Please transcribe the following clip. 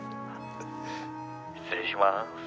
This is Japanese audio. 失礼します」。